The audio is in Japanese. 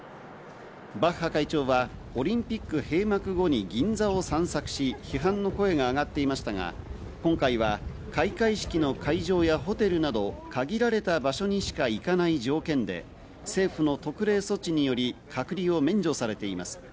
バッハ会長はオリンピック閉幕後に銀座を散策し、批判の声が上がっていましたが、今回は開会式の会場やホテルなど限られた場所にしか行かない条件で政府の特例措置により、隔離を免除されています。